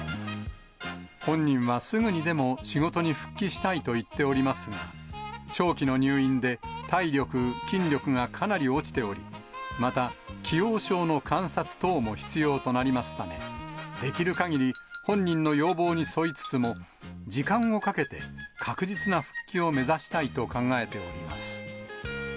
本人はすぐにでも仕事に復帰したいと言っておりますが、長期の入院で体力、筋力がかなり落ちており、また既往症の観察等も必要となりますため、できるかぎり本人の要望に沿いつつも、時間をかけて、確実な復帰を目指したいと考えております。